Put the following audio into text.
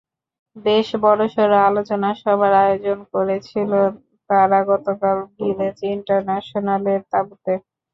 বেশ বড়সড় আলোচনা সভার আয়োজন করেছিল তারা গতকাল ভিলেজ ইন্টারন্যাশনালের তাঁবুতে।